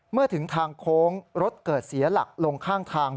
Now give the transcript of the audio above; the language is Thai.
เมื่อถึงทางโค้งรถเกิดเสียหลักลงข้างทาง